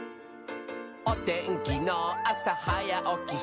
「おてんきのあさはやおきしてね」